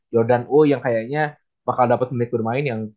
jordan wu yang kayaknya bakal dapat menikmati bermain yang